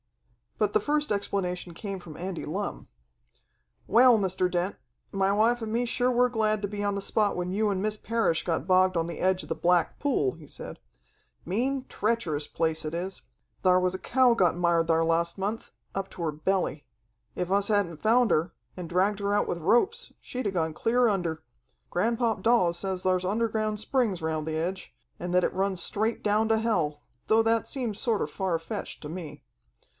But the first explanation came from Andy Lumm. "Well, Mr. Dent, my wife and me sure were glad to be on the spot when you and Miss Parrish got bogged on the edge of the Black Pool," he said. "Mean, treacherous place it is. Thar was a cow got mired thar last month, up to her belly. If us hadn't found her, and dragged her out with ropes, she'd have gone clear under. Granpop Dawes says thar's underground springs around the edge, and that it runs straight down to hell, though that seems sorter far fetched to me.